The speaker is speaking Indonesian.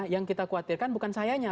yang kita khawatirkan bukan sayanya